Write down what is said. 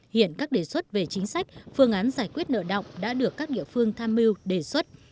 hiện các đề xuất về chính sách phương án giải quyết nợ động đã được các địa phương tham mưu đề xuất